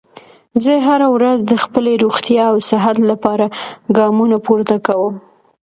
زه هره ورځ د خپلې روغتیا او صحت لپاره ګامونه پورته کوم